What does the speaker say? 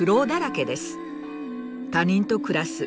他人と暮らす。